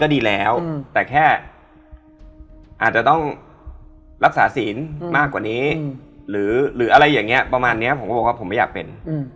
ก็จะแรร์วิ่งเร็วขึ้น